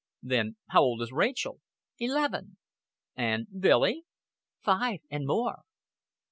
"Then how old is Rachel?" "Eleven." "And Billy?" "Five and more."